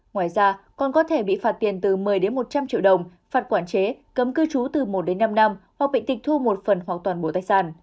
ngoài ra còn có thể bị phạt tiền từ một mươi một trăm linh triệu đồng phạt quản chế cấm cư trú từ một đến năm năm hoặc bị tịch thu một phần hoặc toàn bộ tài sản